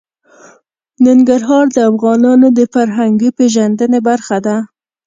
ننګرهار د افغانانو د فرهنګي پیژندنې برخه ده.